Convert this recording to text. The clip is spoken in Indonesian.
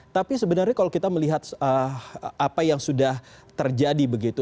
tapi sebenarnya kalau kita melihat apa yang sudah terjadi begitu